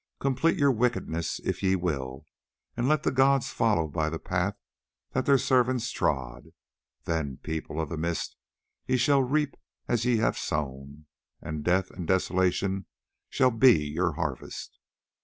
Complete your wickedness if ye will, and let the gods follow by the path that their servants trod. Then, People of the Mist, ye shall reap as ye have sown, and death and desolation shall be your harvest.